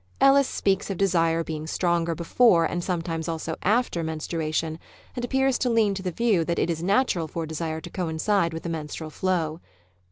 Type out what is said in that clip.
Ellis speaks of desire being 32 Married Love stronger before and sometimes also after menstrua tion, and appears to lean to the view that it is natural for desire to coincide with the menstrual flow.